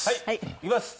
いきます。